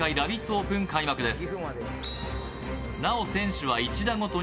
オープン開催です。